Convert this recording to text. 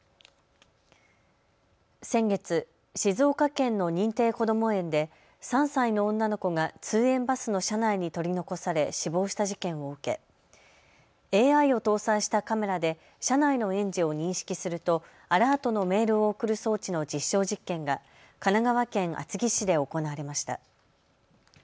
先月、静岡県の認定こども園で３歳の女の子が通園バスの車内に取り残され死亡した事件を受けＡＩを搭載したカメラで車内の園児を認識するとアラートのメール送る装置の実証実験が神奈川県厚木市で行われました。